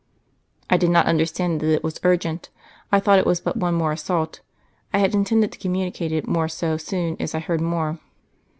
"'I did not understand that it was urgent. I thought it was but one more assault. I had intended to communicate more so soon as I heard more."